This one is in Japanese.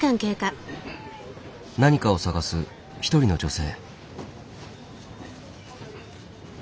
何かを探す一人の女性。